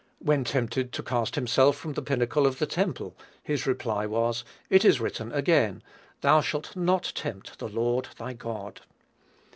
When tempted to cast himself from the pinnacle of the temple, his reply was, "It is written again, Thou shalt not tempt the Lord thy God."